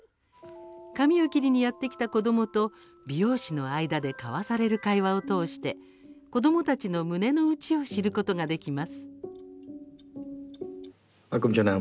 髪を切りにやって来た子どもと美容師の間で交わされる会話を通して、子どもたちの胸の内を知ることができます。